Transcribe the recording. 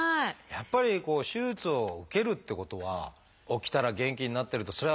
やっぱり手術を受けるってことは起きたら元気になってるとそりゃあ